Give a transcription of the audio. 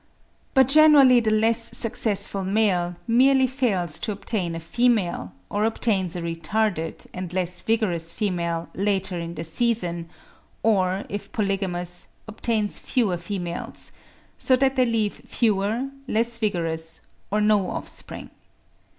But generally the less successful male merely fails to obtain a female, or obtains a retarded and less vigorous female later in the season, or, if polygamous, obtains fewer females; so that they leave fewer, less vigorous, or no offspring.